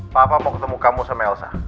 papa mau ketemu kamu sama elsa